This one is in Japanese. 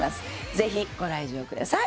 ぜひご来場ください